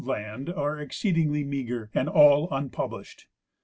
land are exceedingly meager and all unpublished.